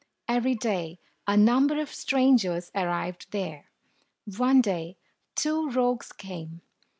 Every day, a number of strangers arrived there. One day, two rogues came.